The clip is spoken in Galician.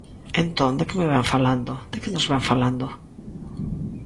Entón ¿de que me vén falando?, ¿de que nos vén falando?